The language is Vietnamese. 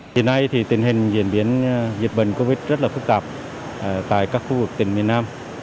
tuy nhiên tình hình diễn biến dịch bệnh covid rất phức tạp tại các khu vực tỉnh miền nam